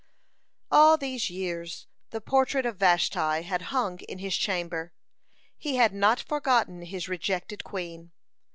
(72) All these years the portrait of Vashti had hung in his chamber. He had not forgotten his rejected queen.